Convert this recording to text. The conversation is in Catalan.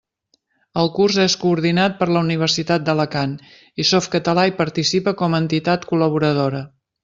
El curs és coordinat per la Universitat d'Alacant, i Softcatalà hi participa com a entitat col·laboradora.